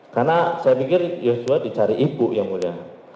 karena saya pikir joshua dicari ibu yang mulia